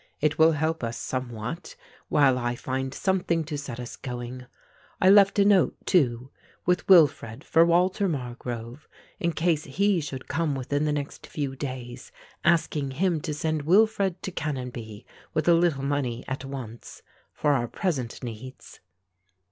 "It will help us somewhat, while I find something to set us going. I left a note, too, with Wilfred for Walter Margrove, in case he should come within the next few days, asking him to send Wilfred to Canonbie with a little money at once for our present needs."